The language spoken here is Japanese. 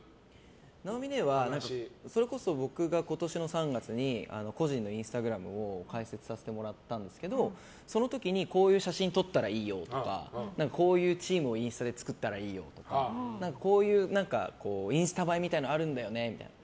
直美ねえは、それこそ僕が今年の３月に個人のインスタグラムを開設させてもらったんですけどその時に、こういう写真撮ったらいいよとかこういうチームをインスタで作ったらいいよとかこういうインスタ映えみたいなのあるんだよねみたいな。